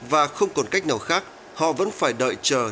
và không còn cách nào khác họ vẫn phải đợi chờ